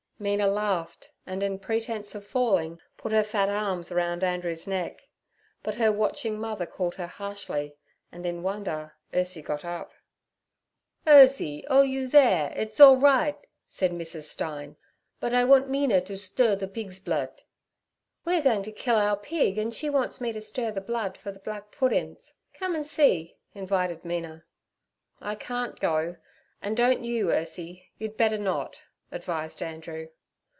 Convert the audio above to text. Mina laughed, and in pretence of falling, put her fat arms round Andrew's neck. But her watching mother called her harshly, and in wonder Ursie got up. 'Urzie, oh, you there, id's allrighd' said Mrs. Stein, 'but I want Mina to stdir the pig's bloodt.' 'We are goin' to kill our pig, and she wants me to stir the blood for the black puddin's. Come and see' invited Mina. 'I can't go, and don't you—Ursie, you'd better not' advised Andrew.